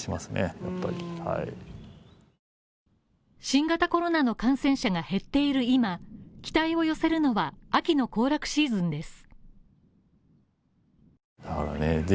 新型コロナの感染者が減っている今、期待を寄せるのは、秋の行楽シーズンです